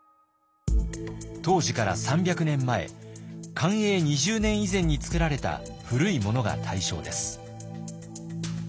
当時から３００年前寛永２０年以前に作られた古いものが対象です。